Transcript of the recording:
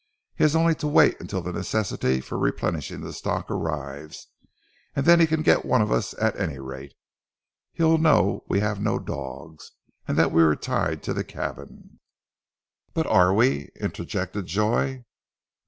He has only to wait until the necessity for replenishing the stock arrives, and then he can get one of us at any rate.... He'll know we have no dogs, and that we are tied to the cabin " "But are we?" interjected Joy.